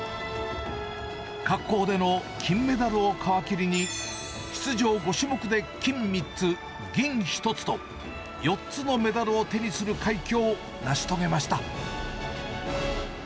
滑降での金メダルを皮切りに、出場５種目で金３つ、銀１つと、４つのメダルを手にする快挙を成し遂げました。